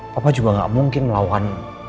papa juga gak mungkin melawan